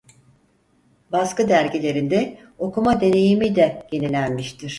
Baskı dergilerinde okuma deneyimi de yenilenmiştir.